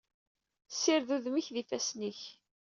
Ssired udem-ik d ifassen-ik.